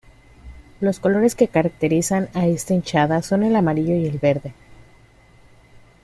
Los colores que caracterizan a esta hinchada son el amarillo y el verde.